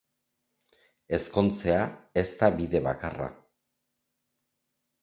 Ezkontzea ez da bide bakarra.